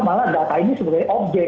malah data ini sebagai objek